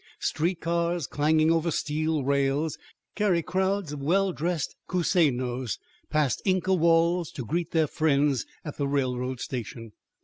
Street cars clanging over steel rails carry crowds of well dressed Cuzceños past Inca walls to greet their friends at the railroad station.